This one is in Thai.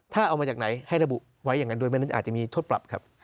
ถ้าเอามาจากไหนให้ระบุไว้อย่างนั้นโดยไม่นั้นอาจจะมีโทษปรับครับ